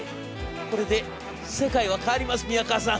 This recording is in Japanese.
『これで世界は変わります宮河さん！』。